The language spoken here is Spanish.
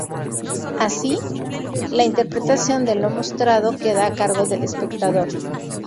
Así, la interpretación de lo mostrado queda a cargo del espectador.